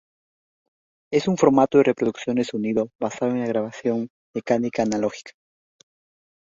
Es un formato de reproducción de sonido basado en la grabación mecánica analógica.